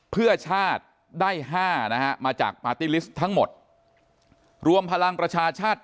เพื่อชาติได้๕นะฮะมาจากปาร์ตี้ลิสต์ทั้งหมดรวมพลังประชาชาติ